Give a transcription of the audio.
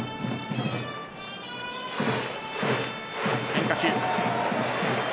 変化球。